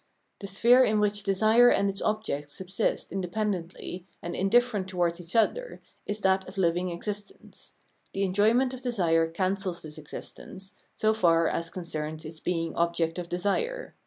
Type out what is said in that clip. The sphere in which desire and its object subsist independently and in different towards each other is that of living existence ; the enjoyment of desire cancels this existence, so far as concerns its being object of desire.